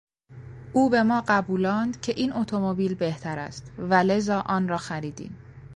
او به ما قبولاند که این اتومبیل بهتر است و لذا آنرا خریدیم.